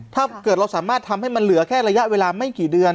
ถ้าเกิดเราสามารถทำให้มันเหลือแค่ระยะเวลาไม่กี่เดือน